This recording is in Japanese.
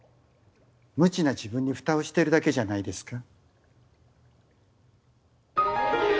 無知な自分にふたをしてるだけじゃないですか？